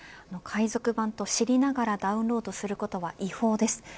海賊版と知りながらダウンロードすることは違法です。